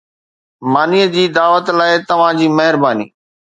ماني جي دعوت لاءِ توهان جي مهرباني